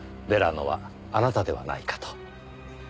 ヴェラノはあなたではないかと。